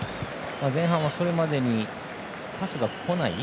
前半はそれまでにパスが来ない。